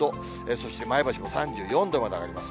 そして前橋も３４度まで上がります。